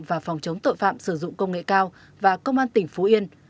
và phòng chống tội phạm sử dụng công nghệ cao và công an tỉnh phú yên